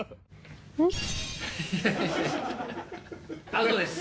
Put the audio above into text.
・アウトです。